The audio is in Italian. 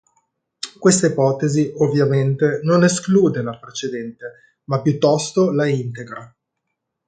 Questa ipotesi, ovviamente, non esclude la precedente, ma piuttosto la integra.